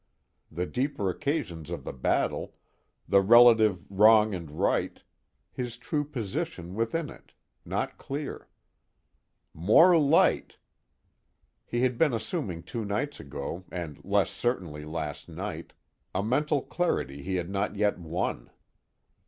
The deeper occasions of the battle, the relative wrong and right, his true position within it, not clear. More light! He had been assuming two nights ago, and less certainly last night, a mental clarity he had not yet won.